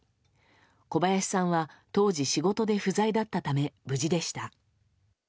小林さんは当時、仕事で不在だったため無事でした。